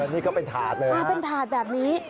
นี่ก็เป็นถาดเลยนะ